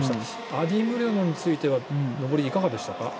アディムリョノについては登りいかがでしたか？